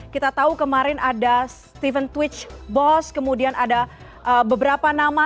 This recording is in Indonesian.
kita tahu kemarin ada stephen twitch bos kemudian ada beberapa nama